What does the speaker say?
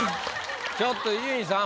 ちょっと伊集院さん